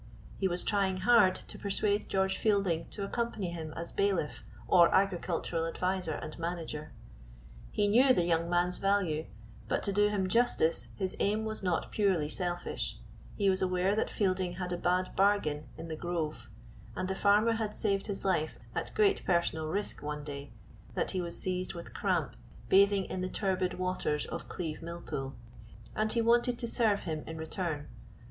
He was trying hard to persuade George Fielding to accompany him as bailiff or agricultural adviser and manager. He knew the young man's value, but to do him justice his aim was not purely selfish; he was aware that Fielding had a bad bargain in "The Grove," and the farmer had saved his life at great personal risk one day that he was seized with cramp bathing in the turbid waters of Cleve millpool, and he wanted to serve him in return.